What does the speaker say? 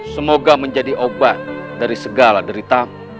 semoga menjadi obat dari segala deritamu